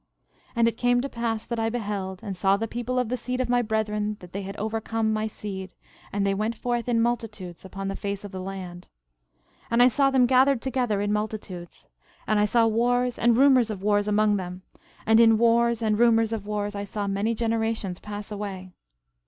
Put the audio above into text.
12:20 And it came to pass that I beheld, and saw the people of the seed of my brethren that they had overcome my seed; and they went forth in multitudes upon the face of the land. 12:21 And I saw them gathered together in multitudes; and I saw wars and rumors of wars among them; and in wars and rumors of wars I saw many generations pass away.